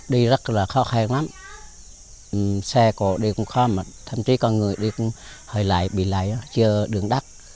đi rất là khó khăn lắm xe cổ đi cũng khó thậm chí con người đi cũng hơi lạy bị lạy chưa đường đắt